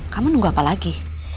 kamu nunggu apa lagi